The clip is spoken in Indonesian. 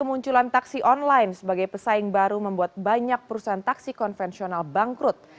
kemunculan taksi online sebagai pesaing baru membuat banyak perusahaan taksi konvensional bangkrut